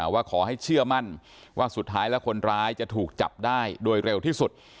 ว่าขอให้เชื่อมั่นว่าสุดท้ายแล้วคนร้ายจะถูกจับได้โดยเร็วที่สุด